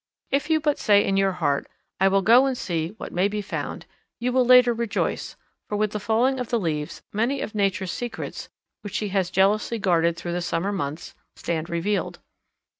If you but say in your heart, "I will go and see what may be found," you will later rejoice, for with the falling of the leaves many of Nature's secrets, which she has jealously guarded through the summer months, stand revealed.